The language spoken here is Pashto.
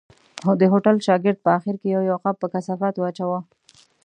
د هوټل شاګرد په آخر کې یو یو قاب په کثافاتو اچاوه.